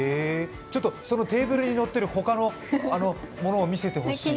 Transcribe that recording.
テーブルに乗っている、他のものを見せてほしい。